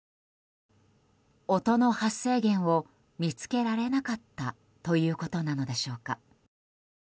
音の発生源を見つけられなかったということなのでしょうか。